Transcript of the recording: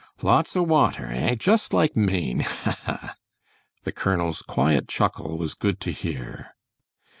"Lots of water, eh? Just like Maine, ha, ha!" The colonel's quiet chuckle was good to hear.